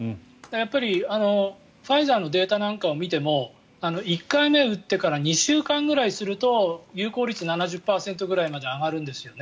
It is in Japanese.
やっぱりファイザーのデータなんかを見ても１回目打ってから２週間くらいすると有効率７０％ぐらいまで上がるんですよね。